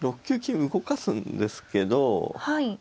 ６九金動かすんですけど